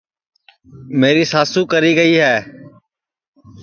میری ساسو کری گی ہے